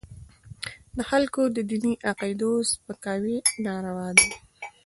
د خلکو د دیني عقایدو سپکاوي ناروا دی.